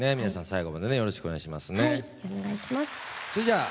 皆さん最後までよろしくお願いしますね。